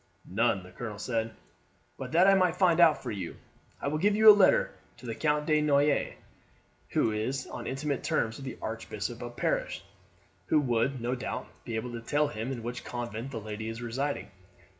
"None," the colonel said. "But that I might find out for you. I will give you a letter to the Count de Noyes, who is on intimate terms with the Archbishop of Paris, who would, no doubt, be able to tell him in which convent the lady is residing.